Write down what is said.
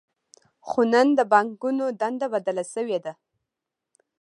خو نن د بانکونو دنده بدله شوې ده